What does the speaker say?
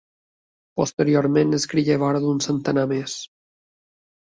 Posteriorment n'escrigué vora d'un centenar més.